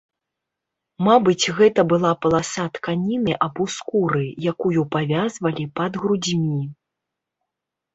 Мабыць, гэта была паласа тканіны або скуры, якую павязвалі пад грудзьмі.